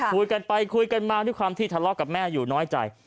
คุยกันไปคุยกันมาด้วยความที่ทะเลาะกับแม่อยู่น้อยใจ